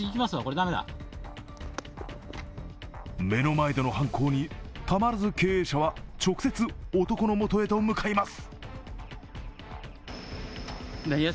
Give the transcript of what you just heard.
目の前での犯行に、たまらず経営者は直接、男の元へと向かいます。